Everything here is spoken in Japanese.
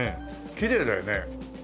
きれいだよね。